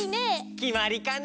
きまりかな？